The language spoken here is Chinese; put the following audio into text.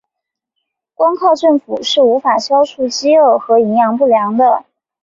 光靠政府是无法消除饥饿和营养不良的。